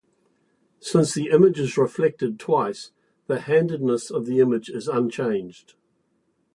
Since the image is reflected twice, the handedness of the image is unchanged.